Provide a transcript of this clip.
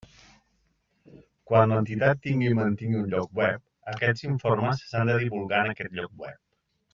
Quan l'entitat tingui i mantingui un lloc web, aquests informes s'han de divulgar en aquest lloc web.